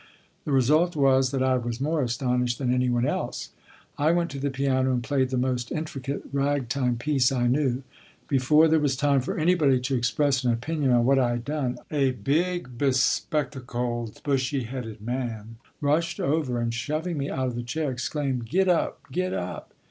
The result was that I was more astonished than anyone else. I went to the piano and played the most intricate ragtime piece I knew. Before there was time for anybody to express an opinion on what I had done, a big bespectacled, bushy headed man rushed over, and, shoving me out of the chair, exclaimed: "Get up! Get up!"